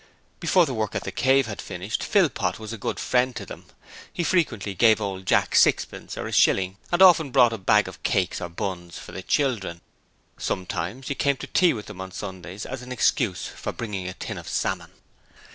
Before the work at 'The Cave' was finished, Philpot was a good friend to them; he frequently gave old Jack sixpence or a shilling and often brought a bag of cakes or buns for the children. Sometimes he came to tea with them on Sundays as an excuse for bringing a tin of salmon.